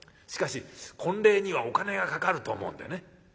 しかし婚礼にはお金がかかると思うんでね。